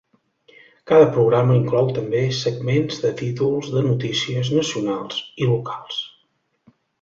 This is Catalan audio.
Cada programa inclou també segments de títols de notícies nacionals i locals.